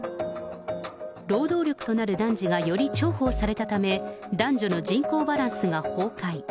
労働力となる男児がより重宝されたため、男女の人口バランスが崩壊。